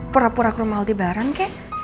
pura pura ke rumah aldebaran kek